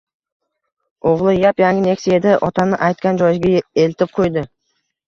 O‘g‘li yap-yangi Neksiyada otani aytgan joyiga eltib qo‘ydi